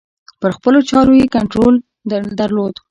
پر خپلو چارو یې لږ کنترول درلود.